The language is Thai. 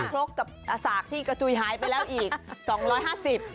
ชกกับอสากที่กระจุยหายไปแล้วอีกสองร้อยห้าสิบ